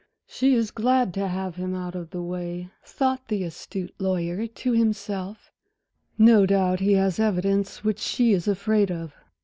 "She is glad to have him out of the way," thought the astute lawyer to himself. "No doubt he has evidence which she is afraid of.